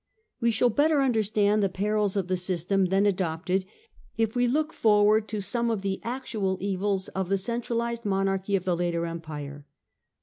We shall better understand the perils of the system The actual adopted if we look forward to some of evils of a the actual evils of the centralized monarchy of the later empire.